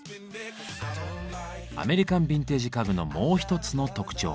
アメリカンビンテージ家具のもう一つの特徴。